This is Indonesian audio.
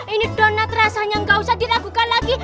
ini donat rasanya gak usah diragukan lagi